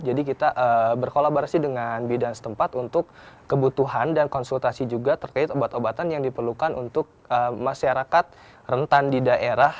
jadi kita berkolaborasi dengan bidan setempat untuk kebutuhan dan konsultasi juga terkait obat obatan yang diperlukan untuk masyarakat rentan di daerah